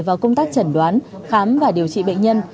vào công tác chẩn đoán khám và điều trị bệnh nhân